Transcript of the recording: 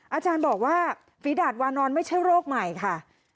อาจารย์บอกว่าฝีดาดวานอนไม่ใช่โรคใหม่ค่ะ